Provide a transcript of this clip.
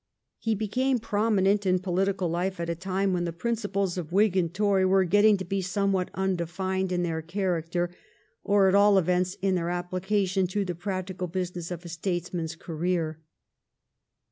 He became prominent in political life at a time when the principles of Whig 1712 18 BOLINGBROKE AND MARLBOROUGH. 71 and Tory were getting to be somewhat undefined in their character, or at all events in their application to the practical business of a statesman's career.